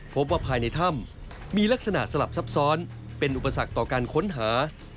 พบว่าภายในถ้ำมีลักษณะสลับซับซ้อนเป็นอุปสรรคต่อการค้นหา